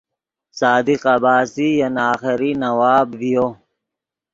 صادق عباسی ین آخری نواب ڤیو